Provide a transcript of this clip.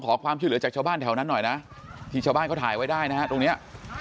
ขอความช่วยเหลือจากชาวบ้านแถวนั้นหน่อยนะที่ชาวบ้านเขาถ่ายไว้ได้นะฮะตรงเนี้ย